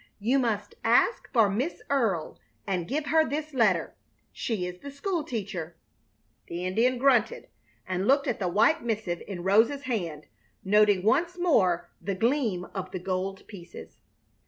"You must ask for Miss Earle and give her this letter. She is the school teacher." The Indian grunted and looked at the white missive in Rosa's hand, noting once more the gleam of the gold pieces.